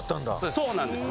そうなんです。